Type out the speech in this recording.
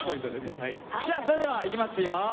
じゃあそれではいきますよ！